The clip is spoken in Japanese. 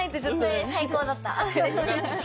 それ最高だった。